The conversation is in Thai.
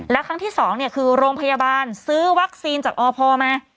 และครั้งที่๒คือโรงพยาบาลซื้อวัคซีนจากอพมา